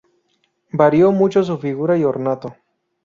Varió mucho su figura y ornato.